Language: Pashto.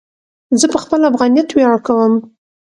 زه په خپل افغانیت ویاړ کوم.